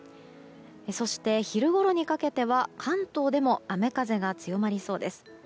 そして昼ごろにかけては関東でも雨風が強まりそうです。